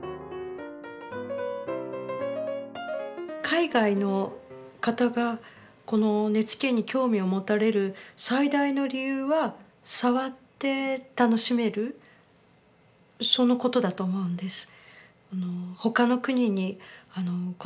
海外の方がこの根付に興味を持たれる最大の理由はそのことだと思うんです。